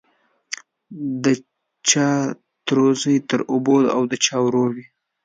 د چا ترورزی او تربور او د چا ورور وي.